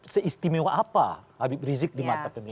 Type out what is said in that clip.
seistimewa apa habib rizik di mata pemilih